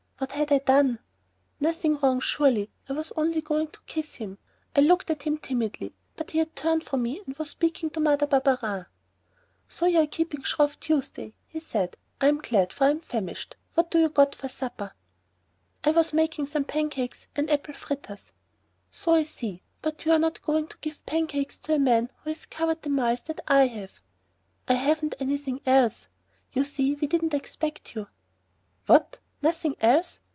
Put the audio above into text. What had I done? Nothing wrong, surely! I was only going to kiss him. I looked at him timidly, but he had turned from me and was speaking to Mother Barberin. "So you're keeping Shrove Tuesday," he said. "I'm glad, for I'm famished. What have you got for supper?" "I was making some pancakes and apple fritters." "So I see, but you're not going to give pancakes to a man who has covered the miles that I have." "I haven't anything else. You see we didn't expect you." "What? nothing else!